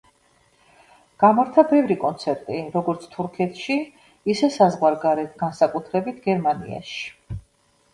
გამართა ბევრი კონცერტი, როგორც თურქეთში, ისე საზღვარგარეთ, განსაკუთრებით გერმანიაში.